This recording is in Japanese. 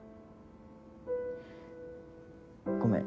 ごめん